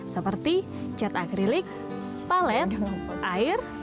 seperti cat akrilik palet air dan air